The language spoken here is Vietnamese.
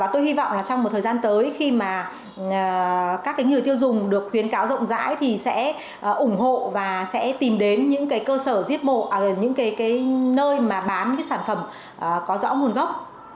trong một thời gian tới khi mà các cái người tiêu dùng được khuyến cáo rộng rãi thì sẽ ủng hộ và sẽ tìm đến những cái cơ sở diết mộ ở những cái nơi mà bán cái sản phẩm có rõ nguồn gốc